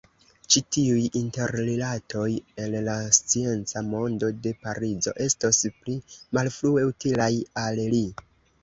Ĉi-tiuj interrilatoj el la scienca mondo de Parizo estos pli malfrue utilaj al li.